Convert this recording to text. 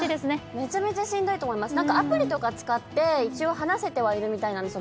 めちゃめちゃしんどいと思いますなんかアプリとか使って一応話せてはいるみたいなんですよ